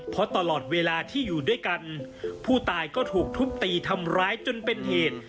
เพราะตลอดเวลาที่อยู่ด้วยกันผู้ตายก็ถูกทุบตีทำร้ายจนเป็นเหตุ